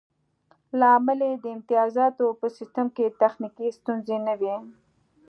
لامل یې د امتیازاتو په سیستم کې تخنیکي ستونزې نه وې